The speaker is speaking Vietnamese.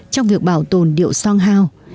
trong việc bảo tồn điệu song hào